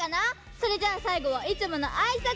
それじゃあさいごはいつものあいさつ！